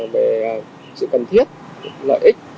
về sự cần thiết lợi ích